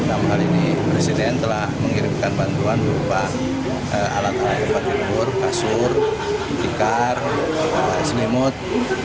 dalam hal ini presiden telah mengirimkan bantuan berupa alat alat tempat tidur kasur tikar selimut